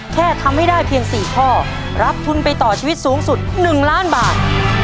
แค่ทำให้ได้เพียง๔ข้อรับทุนไปต่อชีวิตสูงสุด๑ล้านบาท